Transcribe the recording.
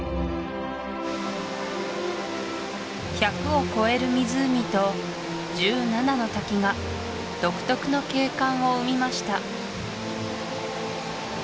１００を超える湖と１７の滝が独特の景観を生みました